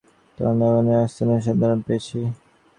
তবে এখন সে স্থানের সন্ধান আমরা পেয়েছি।